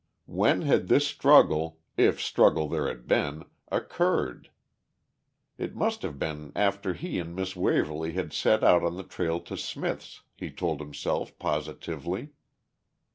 When had this struggle, if struggle there had been, occurred? It must have been after he and Miss Waverly had set out on the trail to Smith's, he told himself positively.